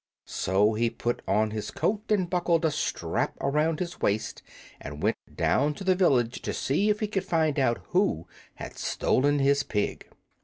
So he put on his coat and buckled a strap around his waist, and went down to the village to see if he could find out who had stolen his pig.